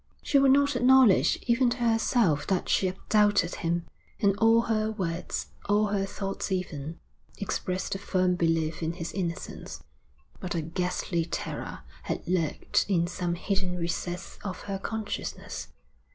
She would not acknowledge even to herself that she doubted him; and all her words, all her thoughts even, expressed a firm belief in his innocence; but a ghastly terror had lurked in some hidden recess of her consciousness.